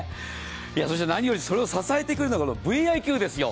そして何より、それを支えてくれるのがＶｉ‐Ｑですよ。